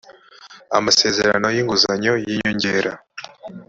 amasezerano y inguzanyo y inyongera